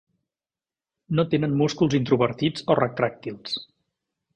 No tenen músculs introvertits o retràctils.